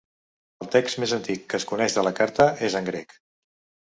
El text més antic que es coneix de la Carta és en grec.